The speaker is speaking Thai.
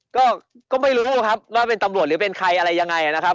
ก็ไม่รู้ครับว่าเป็นตำรวจหรือเป็นใครอะไรยังไงนะครับ